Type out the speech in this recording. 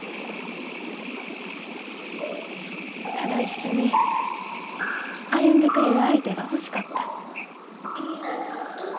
ただ一緒に歩んでくれる相手が欲しかった。